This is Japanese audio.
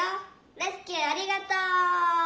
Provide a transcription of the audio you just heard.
レスキューありがとう！」。